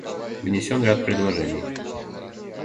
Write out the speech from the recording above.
Внесен ряд предложений.